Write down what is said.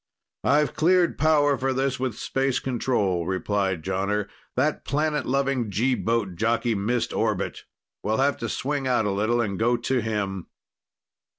"I've cleared power for this with Space Control," replied Jonner. "That planet loving G boat jockey missed orbit. We'll have to swing out a little and go to him."